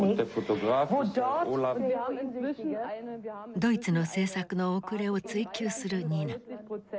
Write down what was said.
ドイツの政策の遅れを追及するニナ。